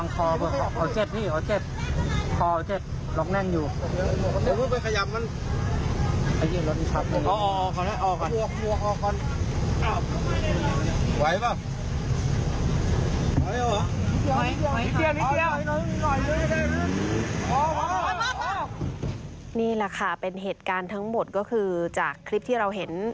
นี่แหละค่ะเป็นเหตุการณ์ทั้งหมดก็คือจากคลิปที่เราเห็น